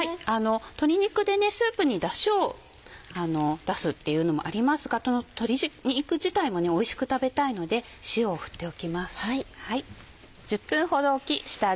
鶏肉でスープにダシを出すっていうのもありますがその鶏肉自体もおいしく食べたいので塩を振っておきます。